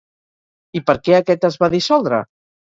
I per què aquest es va dissoldre?